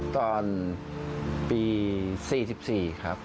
ตอนปี๔๔ครับ